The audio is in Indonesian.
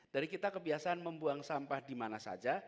dari kita kebiasaan membuang sampah dimana saja